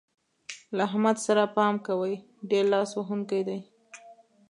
له احمد سره پام کوئ؛ ډېر لاس وهونکی دی.